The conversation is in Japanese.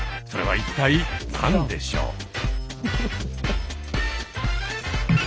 それは一体何でしょう？